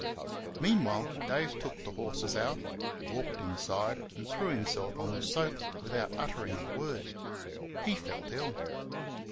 Meanwhile Dave took the horses out, walked inside, and threw himself on the sofa without uttering a word. He felt ill.